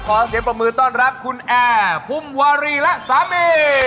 ขอเชี่ยประมูลต้อนรับคุณแอร์ภูมวารีละซามี